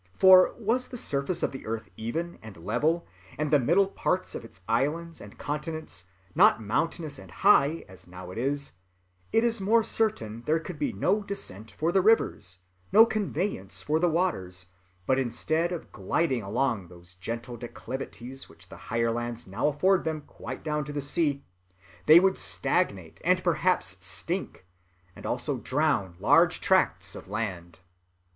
For, was the surface of the earth even and level, and the middle parts of its islands and continents not mountainous and high as now it is, it is most certain there could be no descent for the rivers, no conveyance for the waters; but, instead of gliding along those gentle declivities which the higher lands now afford them quite down to the sea, they would stagnate and perhaps stink, and also drown large tracts of land.